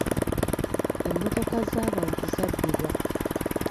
Emmotoka z'abantu zabbibwa.